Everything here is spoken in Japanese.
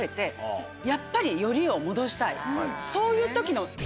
そういう時の。